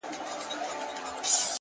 په دې پوهېږمه چي ستا د وجود سا به سم،